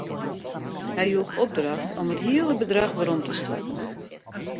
Hy joech opdracht om it hiele bedrach werom te stoarten.